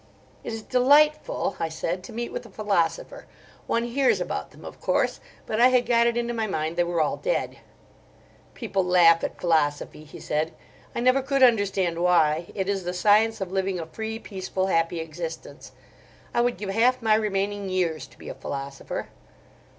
"It is delightful," I said, "to meet with a philosopher. One hears about them, of course; but I had got it into my mind they were all dead." "People laugh at philosophy," he said. "I never could understand why. It is the science of living a free, peaceful, happy existence. I would give half my remaining years to be a philosopher."